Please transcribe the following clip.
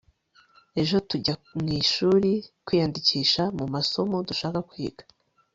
ejo tujya mwishuri kwiyandikisha mumasomo dushaka kwiga